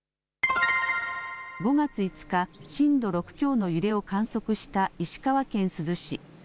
５月５日、震度６強の揺れを観測した石川県珠洲市。